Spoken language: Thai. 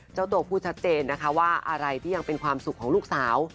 เจ้าตัวพูดชัดเจนนะคะว่าอะไรที่ยังเป็นความสุขของลูกสาว